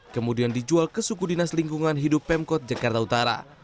kemudian dijual ke suku dinas lingkungan hidup pemkot jakarta utara